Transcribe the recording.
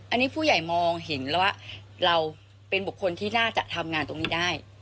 อันนี้ผู้ใหญ่มองเห็นแล้วว่าเราเป็นบุคคลที่น่าจะทำงานตรงนี้ได้